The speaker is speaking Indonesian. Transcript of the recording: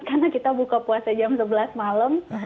karena kita buka puasa jam sebelas malam